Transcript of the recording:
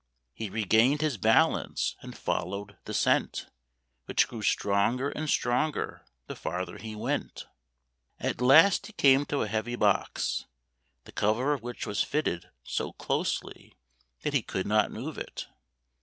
He regained his balance and followed the scent, which grew stronger and stronger the farther he went. At last he came to a heavy box, the cover of which was fitted so closely that he could not move it.